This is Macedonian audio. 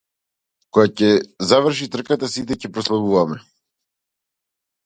Кога ќе заврши трката сите ќе прославуваме.